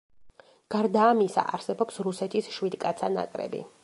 გარდა ამისა არსებობს რუსეთის შვიდკაცა ნაკრები.